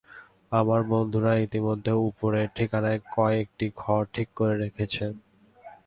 আমার বন্ধুরা ইতোমধ্যেই উপরের ঠিকানায় কয়েকটি ঘর ঠিক করে রেখেছেন।